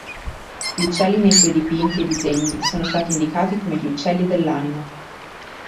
Gli uccelli nei suoi dipinti e disegni sono stati indicati come gli "uccelli dell'anima".